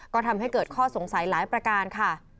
ก็ทำให้เกิดข้อสงสัยหลายประการค่ะ